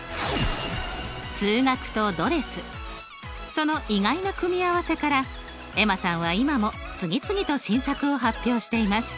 その意外な組み合わせからエマさんは今も次々と新作を発表しています。